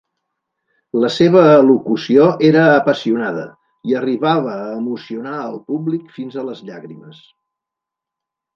La seva elocució era apassionada i arribava a emocionar el públic fins a les llàgrimes.